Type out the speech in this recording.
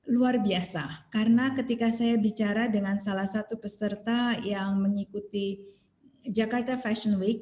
luar biasa karena ketika saya bicara dengan salah satu peserta yang mengikuti jakarta fashion week